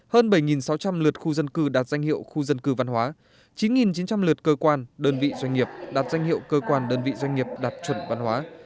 hơn bảy sáu trăm linh lượt khu dân cư đạt danh hiệu khu dân cư văn hóa chín chín trăm linh lượt cơ quan đơn vị doanh nghiệp đạt danh hiệu cơ quan đơn vị doanh nghiệp đạt chuẩn văn hóa